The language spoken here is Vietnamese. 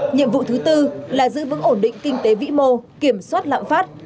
nhiệm vụ thứ tư là giữ vững ổn định kinh tế vĩ mô kiểm soát lạm phát